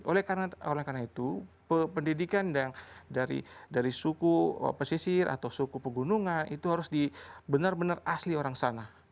oleh karena itu pendidikan dari suku pesisir atau suku pegunungan itu harus di benar benar asli orang sana